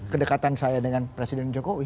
kedekatan saya dengan presiden jokowi